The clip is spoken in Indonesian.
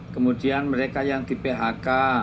kemudian mereka yang di phk